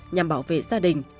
nhằm bảo vệ gia đình